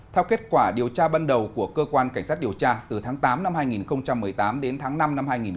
theo kết quả điều tra ban đầu của cơ quan cảnh sát điều tra từ tháng tám năm hai nghìn một mươi tám đến tháng năm năm hai nghìn một mươi chín